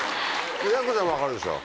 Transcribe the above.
やす子ちゃん分かるでしょ。